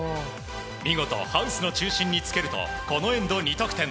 見事ハウスの中心につけるとこのエンド、２得点。